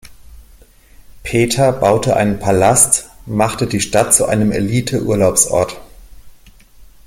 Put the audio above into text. Peter baute einen Palast, machte die Stadt zu einem Elite-Urlaubsort.